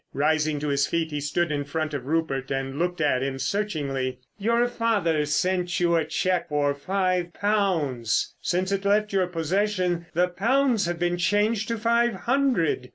Rising to his feet he stood in front of Rupert and looked at him searchingly. "Your father sent you a cheque for five pounds. Since it left your possession the pounds have been changed to five hundred.